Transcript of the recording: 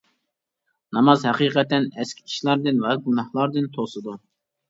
ناماز ھەقىقەتەن ئەسكى ئىشلاردىن ۋە گۇناھلاردىن توسىدۇ.